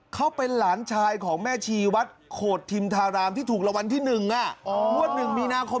เขาเป็นหลานชายของแม่ชีวัฒน์โขทิมทารามที่ถูกระวังที่หนึ่ง